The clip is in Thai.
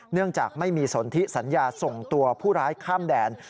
เนื่องจากไม่มีสนทิสัญญาส่งตัวผู้ร้ายข้ามแดน